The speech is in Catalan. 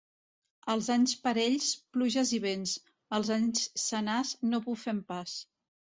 Els anys parells, pluges i vents; els anys senars no bufen pas.